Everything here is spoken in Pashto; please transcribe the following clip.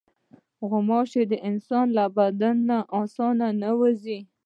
غوماشې د انسان له بدن نه اسانه نه ځي.